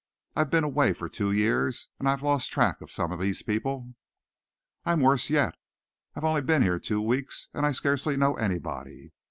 I've been away for two years, and I've lost track of some of these people." "I'm worse yet. I've only been here two weeks and I scarcely know anybody.